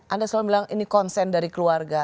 anda selalu bilang ini konsen dari keluarga